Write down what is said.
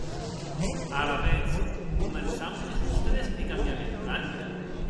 Alavetz començam pes ustres e cambiam eth plan?